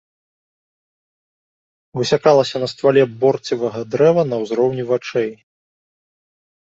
Высякалася на ствале борцевага дрэва на ўзроўні вачэй.